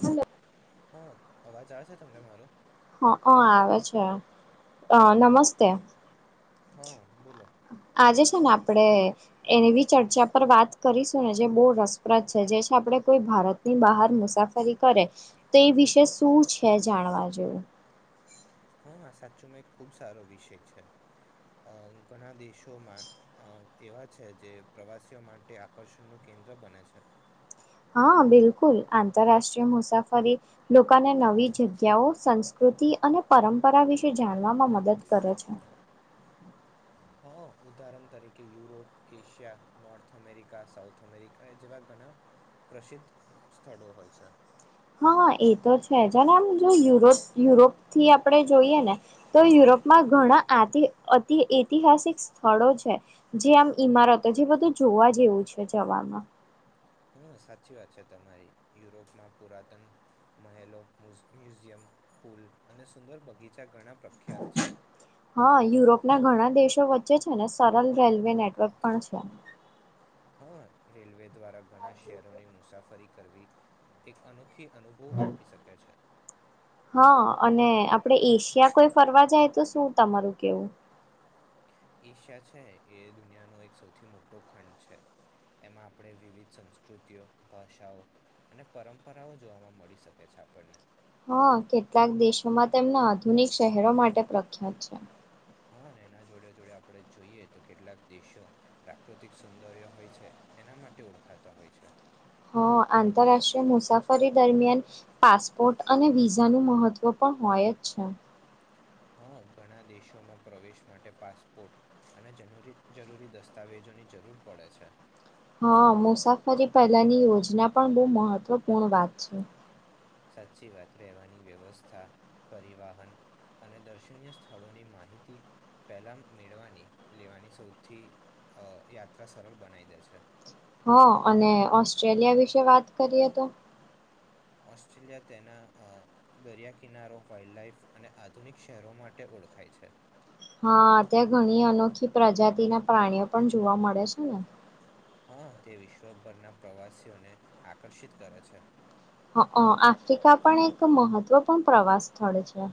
Hello હા અવાજ આવે છે તમને મારો. હા આવે છે અ નમસ્તે. હા. બોલો આજે છે ને આપડે એની બી ચર્ચા પર વાત કરીશું ને જે બહુ રસપ્રદ છે જે છે આપણે કોઈ ભારતની બહાર મુસાફરી કરે તો એ વિશે શું છે જાણવા જોવું. સાચુંમાં એક ખુબ સારો વિષય છે ઘણા દેશોમાં એવા છે જે પ્રવાસીઓ માટે આકર્ષણ નું કેન્દ્ર બને છે. હા બિલકુલ આંતરરાષ્ટ્રીય મુસાફરી લોકોને નવી જગ્યાઓ સંસ્કૃતિ અને પરંપરા વિશે. થી જાણવામાં મદદ કરે છે. હા ઉદાહરણ તરીકે Europe Asia North America South America જેવા ઘણા પ્રસિદ્ધ સ્થળો હોય છે. હા એ તો છે જ અને આમ જો યુરોપ યુરોપ થી આપણે જોઈએ ને તો યુરોપમાં ઘણા આતી અતિ ઐતિહાસિક સ્થળો છે જે આમ ઈમારતો જે બધું જોવા જેવું છે જવામાં. હ સાચી વાત છે તમારી યુરોપમાં પુરાતન મહેલો મ્યુજિ મ્યુઝિયમ પુલ અને સુંદર બગીચા ઘણા પ્રખ્યાત છે હા યુરોપ ના ઘણા દેશો વચ્ચે છે ને સરળ રેલવે નેટવર્ક પણ છે. હા રેલવે દ્વારા ઘણા શહેરોની મુસાફરી કરવી એક અનુ અનુભવ આપી શકે છે. હા અને આપડે એશિયા કોઈ ફરવા જાય તો શું તમારું કેવું. એશિયા છે એ દુનિયાનો એક સૌથી મોટો ખંડ છે એમાં આપણે વિવિધ સંસ્કૃતિઓ ભાષાઓ અને પરંપરાઓ જોવા મળી શકે છે આપણને. હા કેટલાક દેશોમાં તેમના આધુનિક શહેરો માટે પ્રખ્યાત છે. હા એના જોડે જોડે આપડે જોઈએ તો કેટલાક દેશો પ્રાકૃતિક સૌંદર્ય હોય છે એના માટે ઓળખાતા હોય છે. હ આંતરરાષ્ટ્રીય મુસાફરી દરમિયાન પાસપોર્ટ અને વિઝાનું મહત્વ પણ હોય જ છે. હા ઘણા દેશોમાં પ્રવેશ માટે પાસપોર્ટ અને જરી જરૂરી દસ્તાવેજોની જરૂર પડે છે. હા મુસાફરી પહેલાની યોજના પણ બહુ મહત્વપૂર્ણ વાત છે. સાચી વાત રહેવાની વ્યવસ્થા પરિવાહન અને દર્શનીય સ્થળોની માહિતી પહેલા મેળવાની લેવાની સૌથી યાત્રા અ સરળ બનાવી દે છે. હ અને ઓસ્ટ્રેલિયા વિશે વાત કરીએ તો. ઓસ્ટ્રેલિયા તેના દરિયા કિનારો વાઇલ્ડ લઇફ અને આધુનિક શહેરો માટે ઓળખાય છે. હા ત્યાં ઘણી અનોખી પ્રજાતિના પ્રાણીઓ પણ જોવા મળે છે ને. હા તે વિશ્વભરના પ્રવાસીઓને, આકર્ષિત કરે છે. આફ્રિકા પણ એક મહત્વપૂર્ણ પ્રવાસ સ્થળ છે.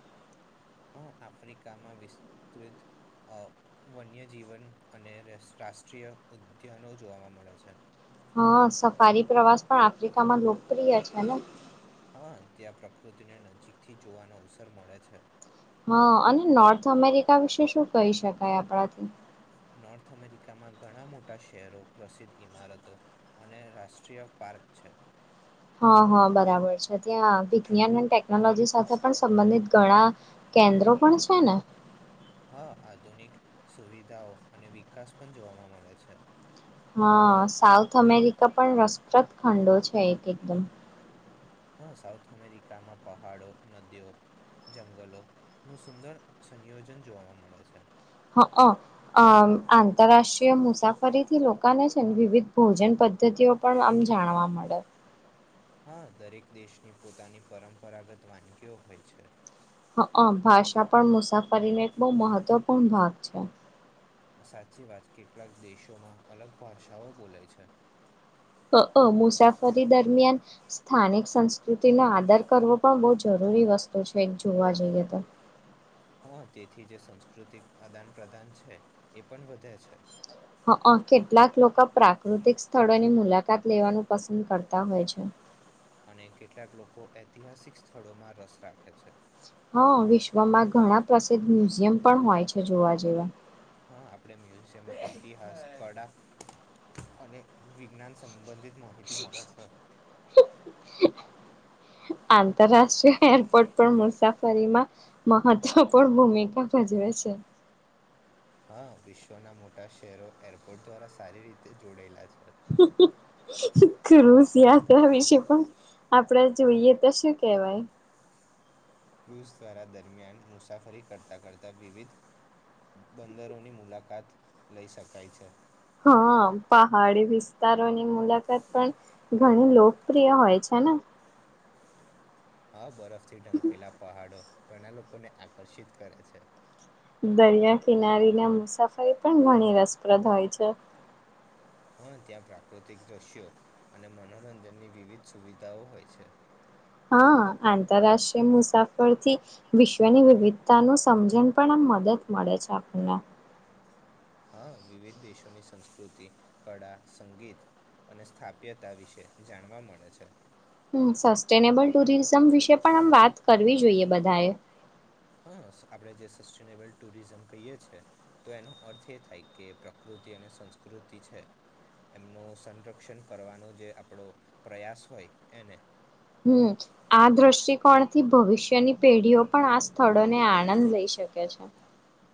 આફ્રિકામાં વિસ્તૃત, વન્યજીવન અને રાષ્ટ્રીય ઉદ્યાનો જોવા મળે છે. હા સફારી પ્રવાસ પણ આફ્રિકામાં લોકપ્રિય છે ને. હા ત્યાં પ્રકૃતિને નજીક થી જોવાનો અવસર મળે છે. હા અને નોર્થ અમેરિકા વિશે શું કહી શકાય આપણાથી. નોર્થ અમેરિકામાં ઘણા મોટા શહેરો પ્રસિદ્ધ ઈમારતો, અને રાષ્ટ્રીય પાર્ક છે. હા હા બરાબર છે ત્યાં વિજ્ઞાન અને ટેકનોલોજી સાથે પણ સંબંધિત ઘણા, કેન્દ્રો પણ છે ને. હા આધુનિક સુવિધાઓ અને વિકાસ પણ જોવામાં મળે છે. હા સાઉથ અમેરિકા પણ રસપ્રદ ખંડો છે એક એકદમ. હા સાઉથ અમેરિકામાં પહાડો, નદીઓ, જંગલો નું સુંદર સંયોજન જોવા મળે છે. હઅ આંતરરાષ્ટ્રીય મુસાફ ફરીથી લોકોને છે વિવિધ ભોજન પદ્ધતિઓ પણ આમ જાણવા મળે. હા દરેક દેશની પોતાની પરંપરાગત વાનગીઓ હોય છે. હઅ ભાષા પણ મુસાફરી ને એક બહુ મહત્વ મહત્વપૂર્ણ ભાગ છે. સાચી વાત કેટલાક દેશોમાં અલગ ભાષાઓ બોલાય છે. હ અ મુસાફરી દરમિયાન, સ્થાનિક સંસ્કૃતિનો આદર કરવો પણ બહુ જરૂરી વસ્તુ છે જોવા જઈએ તો. હા તેથી જે સંસ્કૃતિક આદાન પ્રદાન છે, એ પણ વધે છે. હ અ કેટલાક લોકો પ્રાકૃતિક સ્થળોની મુલાકાત લેવાનું પસંદ કરતા હોય છે. અને કેટલાક લોકો ઐતિહાસિક સ્થળોમાં રસ રાખે છે. હા વિશ્વમાં ઘણા પ્રસિદ્ધ મ્યુઝિયમ પણ હોય છે જોવા જેવા. હા આપ મ્યુઝિયમ ઇતિહાસ કળા, અને વિજ્ઞાન સંબંધિત માહિતી મળે છે. આંતરરાષ્ટ્રીય એરપોર્ટ પણ મુસાફરીમાં, મહત્વપૂર્ણ ભૂમિકા ભજવે છે. હા વિશ્વના મોટા શહેરો એરપોર્ટ દ્વારા સારી રીતે જોડાયેલા છે. ક્રુઝયાત્રા વિશે પણ આપડે જોઈએ તો શું કેહવાય. ક્રુઝ દ્વારા દરમિયાન મુસાફરી કરતા કરતા વિવિધ, બંદરોની મુલાકાત લઈ શકાય છે. હા પહાડી વિસ્તારોની મુલાકાત પણ, ઘણી લોકપ્રિય હોય છે ને. હા બરા થી ઢંકેલા પહાડો. ઘણા લોકોને આકર્ષિત કરે છે. દરિયા કિનારી ના મુસાફરી પણ ઘણી રસપ્રદ હોય છે. હા ત્યાં પ્રાકૃતિક દ્રશ્યો, અને મનોરંજનની વિવિધ સુવિધાઓ હોય છે. હા આંતરરાષ્ટ્રીય મુસાફર થી, વિશ્વની વિવિધતાનું સમજણ પણ આમ મદદ મળે છે આપણને. હા વિવિધ દેશોની સંસ્કૃતિ, કળા, સંગીત અને સ્થાપ્યતા વિશે જાણવા મળે છે. હમ્મ સસ્ટેનેબલ ટુરિઝમ વિશે પણ આમ વાત કરવી જોઈએ બધાએ. હા આપણે જે સસ્ટેનેબલ ટુરિઝમ કહીય છીએ, તો એનો અર્થ એ થાય કે પ્રકૃતિ અને સંસ્કૃતિ છે, એમનો સંરક્ષણ કરવાનો જે આપણો પ્રયાસ હોય એને હમ્મ આ દ્રષ્ટિકોણ થી ભવિષ્યની પેઢીઓ પણ આ સ્થળોને આનંદ લઈ શકે છે.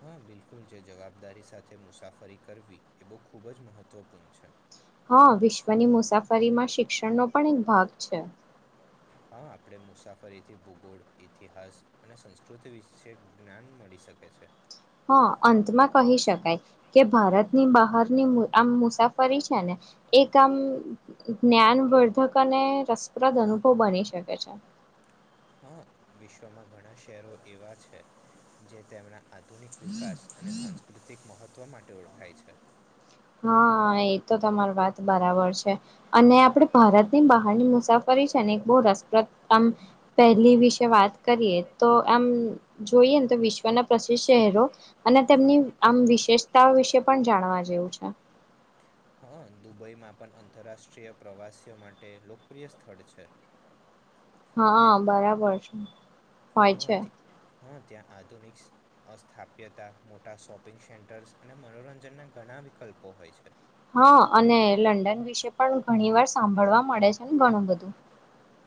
હા બિલકુલ જે જવાબદારી સાથે મુસાફરી કરવી એ બહુ ખૂબ જ મહત્વપૂર્ણ છે. હા વિશ્વની મુસાફરીમાં શિક્ષણનો પણ એક ભાગ છે. હા આપણેે મુસાફરીથી ભૂગોળ ઇતિહાસ અને સંસ્કૃતિ વિશે જ્ઞાન મળી શકે છે. હા અંતમાં કહી શકાય, કે ભારત ની બહારની આમ મુસાફરી છે ને, એક આામ જ્ઞાનવર્ધક અને રસપ્રદ અનુભવ બની શકે છે. હા વિશ્વમાં ઘણા શહેરો એવા છે જે તેમના આધુનિક વિકાસ અને સાંસ્કૃતિક મહત્વ વા માટે ઓળખાય છે. હા એ તો તમારી વાત બરાબર છે અને આપડે ભારતની બહારની મુસાફરી છે ને એક બહુ રસપ્રદ આમ પહેલી વિશે વાત કરીએ તો આમ જોઈએને તો વિશ્વના પ્રસિદ્ધ શહેરો અને તેમની આમ વિશેષતાઓ વિશે પણ જાણવા જેવું છે. હા દુબઈમાં પણ આંતરરાષ્ટ્રીય પ્રવાસીઓ માટે લોકપ્રિય સ્થળ છે. હા બરાબર છે. હોય છે. હં ત્યાં આધુનિક અસ્થાપ્યતા મોટા શોપિંગ સેન્ટર્સ અને મનોરંજનના ઘણા વિકલ્પો હોય છે. હા અને લંડન વિશે પણ ઘણી વાર સાંભળવા મળે છે ને ઘણું બધું.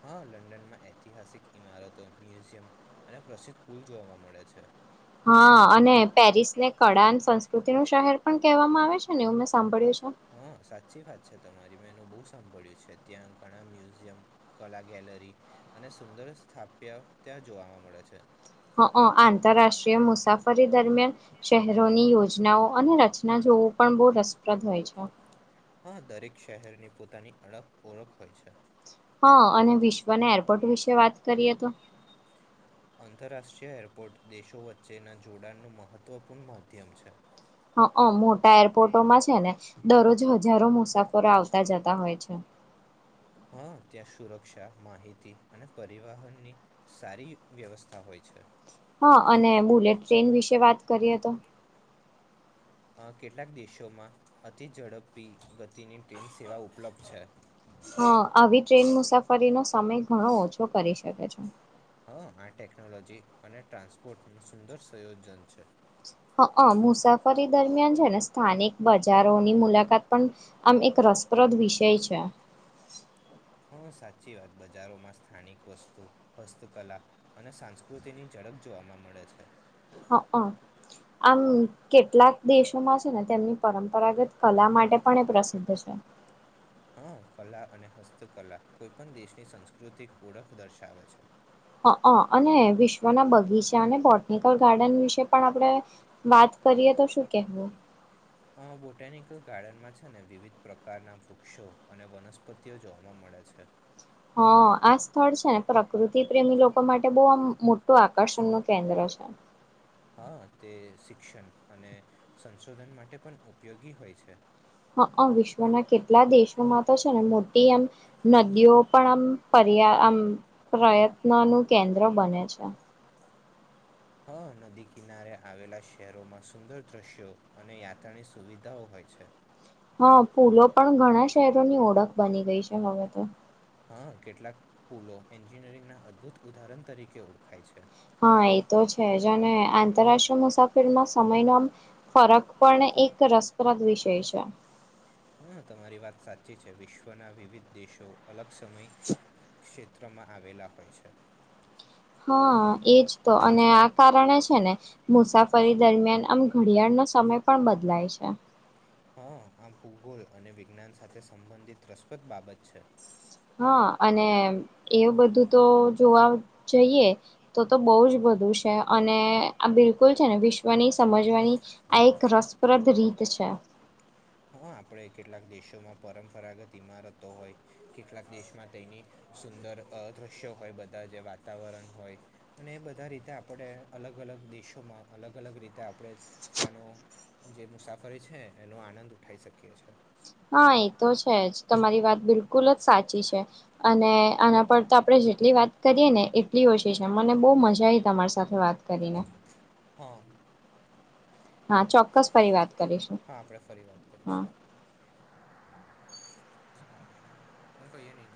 હા લંડનમાં ઐતિહાસિક ઇમારતો મ્યુઝિયમ અને પ્રસિદ્ધ પુલ જોવા મળે છે. હા અને પેરિસ ને કળ સંસ્કૃતિ નું શહેર પણ કહેવામાં આવે છે ને એું મેં સાંભળ્યું છે. હ સાચી વાત. તમારી મે એનું બહુ સાંભળ્યું છે ત્યાં ઘણા મ્યુઝિયમ કલા ગેલરી અને સુંદર સ્થાપ્ય ત્યાં જોવા મળે છે. હ આંતરરાષ્ટ્રીય મુસાફરી દરમિયાન શહેરોની યોજનાઓ અને રચના જોવું પણ બહુ રસપ્રદ હોય છે. હા દરેક શહેરની પોતાની અળખ ઓળખ હોય છે. હ અને વિશ્વના એરપોર્ટ વિશે વાત કરીએ તો. આંતરરાષ્ટ્રીય એરપોર્ટ દેશો વચ્ચેના જોડાણનું મહત્વપૂર્ણ માધ્યમ છે. હ મોટા એરપોર્ટોમાં છે ને દરરોજ હજારો મુસાફરો આવતા જતા હોય છે. હા ત્યાં સુરક્ષા માહિતી અને પરિવહનની સારી વ્યવસ્થા હોય છે. હા અને બુલેટ ટ્રેન વિશે વાત કરીએ તો? કેટલાક દેશોમાં અતિઝડપી ગતિની ટ્રેન સેવા ઉપલબ્ધ છે. હા આવી ટ્રેન મુસાફરીનોો સમય ઘણો ઓછો કરી શકે છે હ આ ટેકનોલોજી અને ટ્રાન્સપોર્ટ નું સુંદર સંયોજન છે. હ મુસાફરી દરમિયાન છે ને સ્થાનિક બજારોની મુલાકાત પણ આમ એક રસપ્રદ વિષય છે. હા સાચી વાત બજારોમાં સ્થાનિક વસ્તુ હસ્તકલા અને સંસ્કૃતિની ઝડપ જોવાવામાં મળે છે. હ આમ કેટલાક દેશોમાં છે ને તેમની પરંપરાગત કલા માટે પણ એ પ્રસિદ્ધ છે. હા કલા અને હસ્ત કલા કોઈ પણ દેશની સંસ્કૃતિક ઓળખ દર્શાવે છે. હ અને વિશ્વના બગીચા અને બટ ટેિકલ ગાર્ડન વિશે પણ આપણે વાત કરીએ તો શું કેવું? અ બોટનિકલ ગાર્ડનમાં છે ને વિવિધ પ્રકારના વૃક્ષો અને વનસ્પતિઓ જોવાવા મળે છે. હા આ સ્થળ છે ને પ્રકૃતિ પ્રેમી લોકો માટે બહ આ મોટું આકર્ષણ ન કેન્દ્ર છે. હા તે શિક્ષણ અને સંશોધન માટે પણ ઉપયોગી હોય છે. હા વિશ્વના કેટલા દેશોમાં તો છે ને મોટ એ આમ નદીઓ પણ આમ પર આમ પ્રયત્ન નું કેન્દ્ર બને છે. હા નદી કિનારે આવેલા શહેરોમાં સુંદર દ્રશ્યો અને યાત્રાની સુવિધાઓ હોય છે. હા પૂલો પણ ઘણા શહેરોની ઓળખ બની ગઈ છે હવે તો. હા કેટલાક પુલો એન્જિનિયરિંગ ના અદ્ભુત ઉદાહરણ તરીકે ઓળખાય છે. હા એ તો છે જ અને આંતરરાષ્ટ્રીય મુસાફરમાં સમયનો ફરક પણ એક રસપ્રદ વિષય છે. હા તમારી વાત સાચી છે વિશ્વના વિવિધ દેશો અલગ સમય ક્ષે માત્રમાં આવેલા હોય છે. હું. એજ તો અને આ કારણે છે ને મુસાફરી દરમિયાન આમ ઘડિયાળનો સમય પણ બદલાય છે હા આમ ભૂગોલ અને વિજ્ઞાન સાથે સંબંધિત રસપ્રદ બાબત છે હા અને એવું બધું તો જોવા જઈએ તો તો બહુ જ બધું છે અને આ બિલકુલ છે ને વિશ્વની સમજવાની આ એક રસપ્રદ રીત છે હા આપણે કેટલાક દેશોમાં પરંપરાગત ઈમારતો હોય કેટલાક દેશમાં તેની સુંદર અ દ્રશ્યો હોય બધા જે વાતાવરણ હોય અને એ બધા રીતે આપણે અલગ અલગ દેશોમાં અલગ અલગ રીતે આપણે ત્યાનો જે મુસાફરી છે એનો આનંદ ખાય શકીએ છે હા એ તો છે જ તમારી વાત બિલકુલ જ સાચી છે અને આના પર તો આપણે જેટલી વાત કરીએ ને એટલી ઓછી છે મને બોવ મજા આવી તમારી સાથે વાત કરીને હ હા ચોક્કસ પરિવાર હા આપણેે ફરી વાત કરીશું હું કહી એ નહી